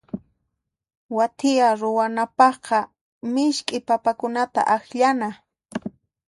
Wathiya ruwanapaqqa misk'i papakunata akllana.